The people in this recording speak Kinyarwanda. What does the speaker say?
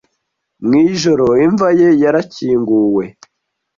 mwijoro imva ye yarakinguwe